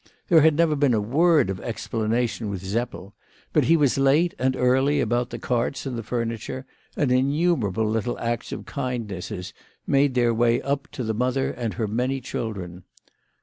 There had never been a word of explanation with Seppel ; but he was late and early about the carts and the furniture, and innumerable little acts of kindnesses made their way up to the mother and her many children.